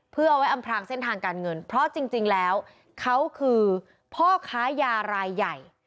เพื่อเอาไว้อำพลางเส้นทางการเงินเพราะจริงแล้วเขาคือพ่อค้ายารายใหญ่